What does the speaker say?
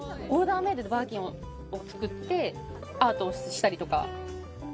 オーダーメイドでバーキンを作ってアートをしたりとか。